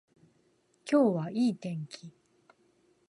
今日はいい天気